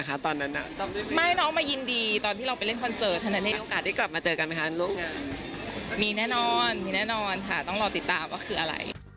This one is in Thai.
ก็มันเป็นพี่ชอบรูปนี้พวกพี่รู้สึกว่ามันเป็นอะไรที่แบบ